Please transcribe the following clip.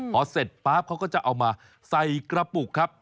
พอเสร็จป๊าบเขาก็จะเอามาใส่กระปุกครับ